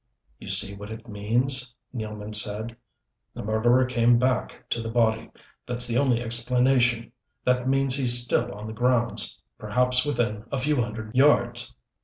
"You see what it means," Nealman said. "The murderer came back to the body that's the only explanation! That means he's still on the grounds perhaps within a few hundred yards."